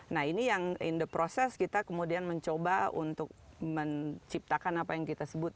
nah ini yang dalam proses kita kemudian mencoba untuk menciptakan apa yang kita sebut